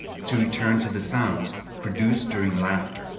To return to the sounds produced during laughter.